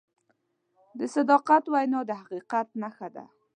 د صداقت وینا د حقیقت نښه ده.